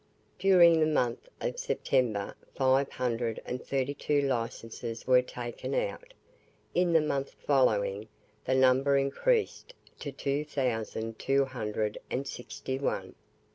During the month of September five hundred and thirty two licences were taken out; in the month following the number increased to two thousand two hundred and sixty one!